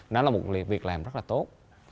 nó là một việc làm rất là tốt